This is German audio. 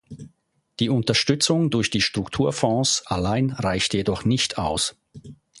Die Unterstützung durch die Strukturfonds allein reicht jedoch nicht aus.